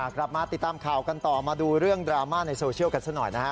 กลับมาติดตามข่าวกันต่อมาดูเรื่องดราม่าในโซเชียลกันซะหน่อยนะฮะ